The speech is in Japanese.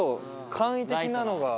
簡易的なのが。